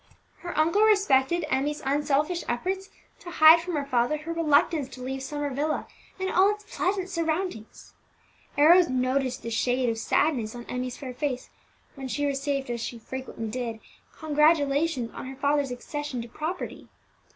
Her uncle respected Emmie's unselfish efforts to hide from her father her reluctance to leave Summer Villa and all its pleasant surroundings. Arrows noticed the shade of sadness on Emmie's fair face when she received, as she frequently did, congratulations on her father's accession to property.